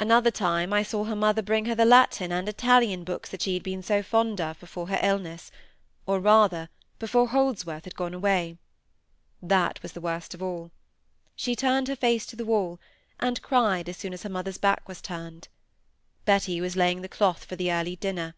Another time I saw her mother bring her the Latin and Italian books that she had been so fond of before her illness—or, rather, before Holdsworth had gone away. That was worst of all. She turned her face to the wall, and cried as soon as her mother's back was turned. Betty was laying the cloth for the early dinner.